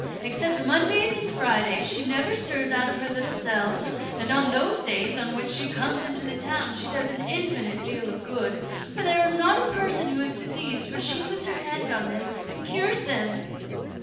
Except Mondays and Fridays, she never stirs out of her little cell; and on those days on which she comes into the town she does an infinite deal of good; for there is not a person who is diseased but she puts her hand on them and cures them."